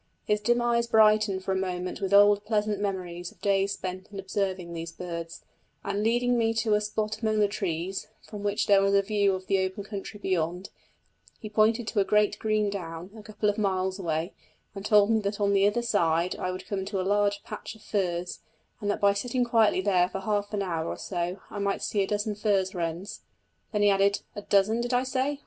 His dim eyes brightened for a moment with old pleasant memories of days spent in observing these birds; and leading me to a spot among the trees, from which there was a view of the open country beyond, he pointed to a great green down, a couple of miles away, and told me that on the other side I would come on a large patch of furze, and that by sitting quietly there for half an hour or so I might see a dozen furze wrens. Then he added: "A dozen, did I say?